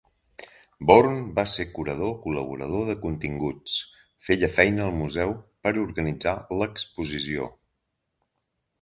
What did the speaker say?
Bourne va ser curador col·laborador de continguts. Feia feina al museu per organitzar l'exposició.